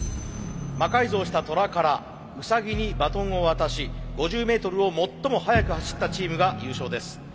魔改造したトラからウサギにバトンを渡し５０メートルを最も速く走ったチームが優勝です。